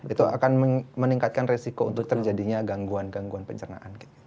itu akan meningkatkan resiko untuk terjadinya gangguan gangguan pencernaan